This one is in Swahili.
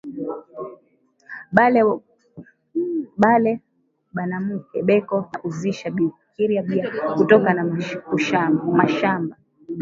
Bale banamuke beko na uzisha biakuria bia kutoka ku mashamba